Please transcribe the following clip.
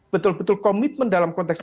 betul betul komitmen dalam konteks